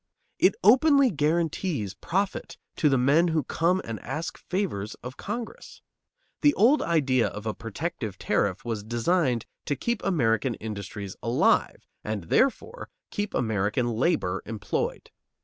It openly guarantees profit to the men who come and ask favors of Congress. The old idea of a protective tariff was designed to keep American industries alive and, therefore, keep American labor employed.